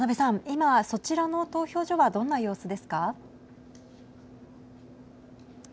今そちらの投票所はどんな様子ですか。